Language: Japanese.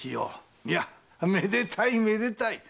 いやめでたいめでたい。